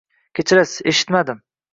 Kechirasiz, eshitmadim.